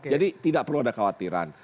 jadi tidak perlu ada khawatiran